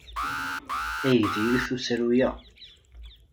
Ay diri-t usaru-a!